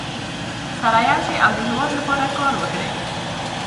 سره یو شئ او د هېواد لپاره کار وکړئ.